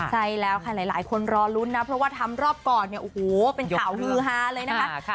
ใช่แล้วค่ะหลายคนรอลุ้นนะเพราะว่าทำรอบก่อนเนี่ยโอ้โหเป็นข่าวฮือฮาเลยนะคะ